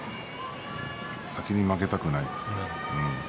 先に負けたくない